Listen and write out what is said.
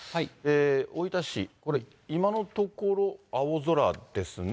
大分市、これ、今のところ、青空ですね。